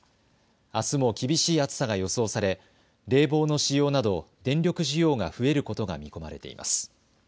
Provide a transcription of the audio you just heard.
あすも厳しい暑さが予想され冷房の使用など電力需要が増えることが見込まれています。